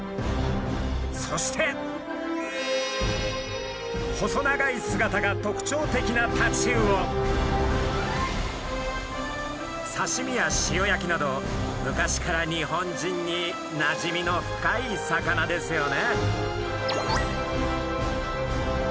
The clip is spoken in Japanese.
そして細長い姿が特徴的なさしみや塩焼きなど昔から日本人になじみの深い魚ですよね。